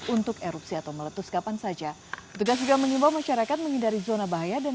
untuk erupsi atau meletus kapan saja tugas juga mengimbau masyarakat menghindari zona bahaya dan